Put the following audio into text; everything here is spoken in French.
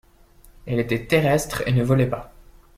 Elle était terrestre et ne volait pas.